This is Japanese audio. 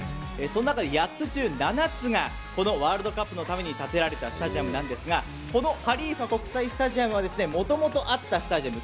そのうち８つ中７つがワールドカップのために建てられたスタジアムですがこのハリーファ国際スタジアムはもともとあったスタジアム。